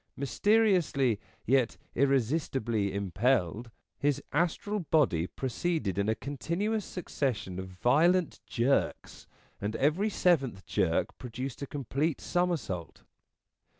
Mysteriously yet irresistibly impelled, his astral N' JAWK 35 body proceeded in a continuous succession of violent jerks, and every seventh jerk produced a complete somersault.